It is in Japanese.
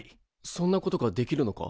そんなことができるのか？